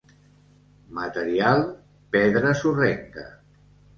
Material: pedra sorrenca.